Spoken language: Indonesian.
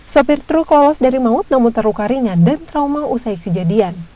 sopir truk lolos dari maut namun terluka ringan dan trauma usai kejadian